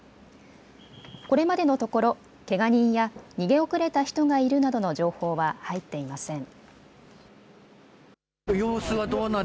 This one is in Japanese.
これまでのところ、けが人や逃げ遅れた人がいるなどの情報は入っていません。